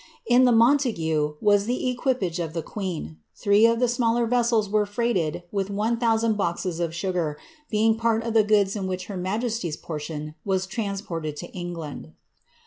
In the Montague was the equipage of the queen *, three of the smaller veswli were freighted witli one thousand boxes of sugar, being part of the goods in which her inajesty^s portion was transported to Englind.